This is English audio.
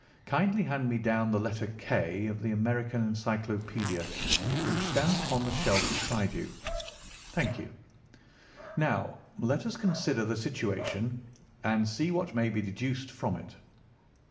Kindly hand me down the letter K of the American Encyclopædia which stands upon the shelf beside you. Thank you. Now let us consider the situation and see what may be deduced from it.